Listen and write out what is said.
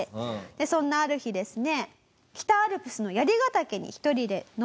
そんなある日ですね。